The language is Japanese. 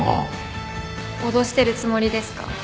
脅してるつもりですか？